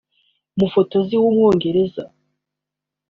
umufotozi w’umwongereza